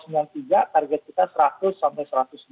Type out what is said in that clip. target kita seratus sampai satu ratus dua puluh